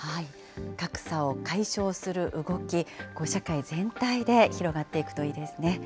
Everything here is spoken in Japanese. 格差を解消する動き、社会全体で広がっていくといいですね。